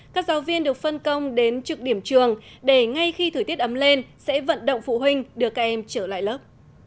các giáo viên được phân công đến trực điểm trường để ngay khi thời tiết ấm lên sẽ vận động phụ huynh đưa các em trở lại lớp